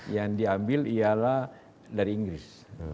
yang diambil ialah dari inggris